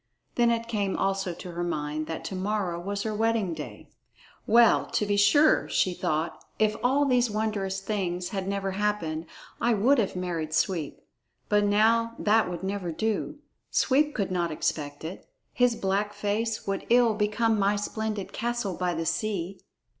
Then it came also to her mind that to morrow was her wedding day. "Well, to be sure," thought she, "if all these wondrous things had never happened, I would have married Sweep. But now that would never do. Sweep could not expect it. His black face would ill become my splendid castle by the sea."